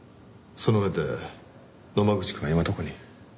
その上で野間口くんは今どこに？